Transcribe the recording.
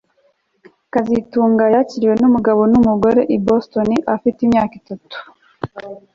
kazitunga yakiriwe numugabo numugore i Boston afite imyaka itatu